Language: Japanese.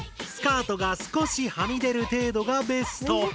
スカートが少しはみ出る程度がベスト。